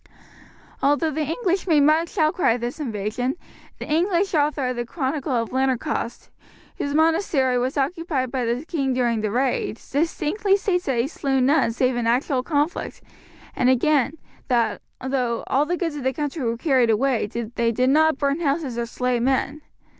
Although the English made much outcry at this invasion, the English author of the Chronicle of Lanercost, whose monastery was occupied by the king during the raid, distinctly states that he slew none save in actual conflict; and again, that though "all the goods of the country were carried away, they did not burn houses or slay men."